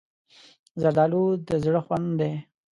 زردالو د زړه خوند دی.